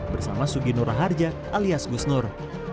bersama suginura harja alias gusnur